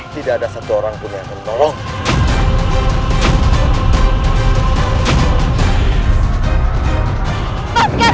tidak ada satu orang pun yang tertolong